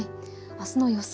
あすの予想